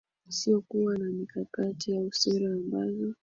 sio kuwa na mikakati au sera ambazo